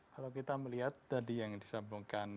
kalau kita melihat tadi yang disambungkan